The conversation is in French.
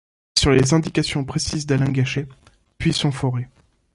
Sur les indications précises d'Alain Gachet, puits sont forés.